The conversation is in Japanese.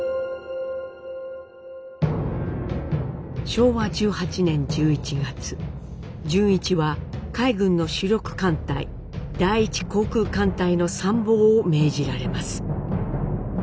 昭和１８年１１月潤一は海軍の主力艦隊第一航空艦隊の参謀を命じられます。